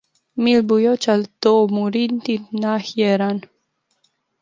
Míle buíochas do mhuintir na hÉireann.